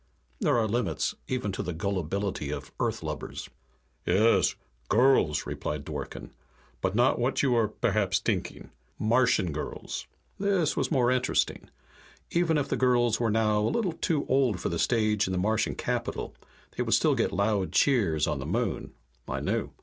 There are limits, even to the gullibility of Earth lubbers. "Yes, girls," replied Dworken. "But not what you are perhaps t'inking. Martian girls." This was more interesting. Even if the girls were now a little too old for the stage in the Martian capital, they would still get loud cheers on the Moon. I knew.